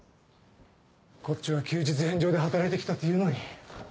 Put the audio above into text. こっちは休日返上で働いてきたっていうのに。